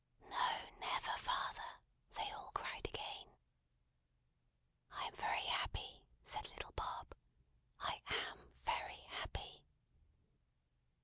"No, never, father!" they all cried again. "I am very happy," said little Bob, "I am very happy!"